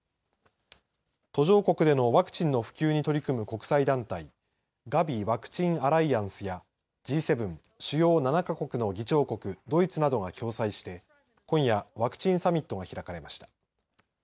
途上国でのワクチンの普及に取り組む国際団体ＧａｖｉワクチンアライアンスやＧ７、主要７か国の議長国ドイツなどが共催して今夜ワクチンサミットが開かれました。